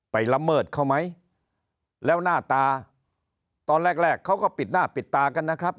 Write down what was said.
ละเมิดเขาไหมแล้วหน้าตาตอนแรกแรกเขาก็ปิดหน้าปิดตากันนะครับ